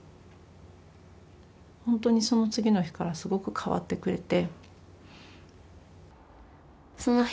ほんとにその次の日からすごく変わってくれて。